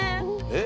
え？